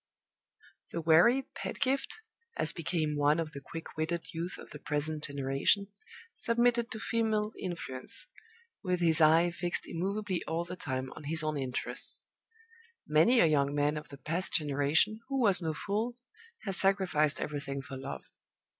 The wary Pedgift, as became one of the quick witted youth of the present generation, submitted to female influence, with his eye fixed immovably all the time on his own interests. Many a young man of the past generation, who was no fool, has sacrificed everything for love.